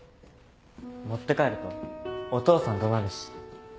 持って帰るとお父さん怒鳴るし。